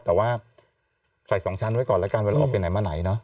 แต่ว่าใส่๒ชั้นไว้ก่อนแล้วกันเวลาออกไปไหนมาไหนเนาะ